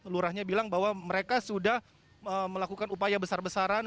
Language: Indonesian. lurahnya bilang bahwa mereka sudah melakukan upaya besar besaran